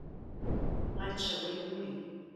L'any següent morí.